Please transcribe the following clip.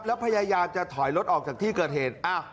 แล้วพยายามจะถอยรถออกจากที่เกิดเหตุ